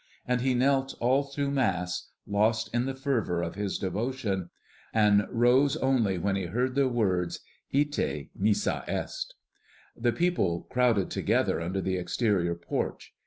And he knelt all through Mass, lost in the fervor of his devotion, and rose only when he heard the words, "Ite missa est." The people crowded together under the exterior porch.